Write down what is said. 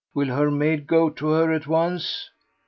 Will her maid go to her at once?"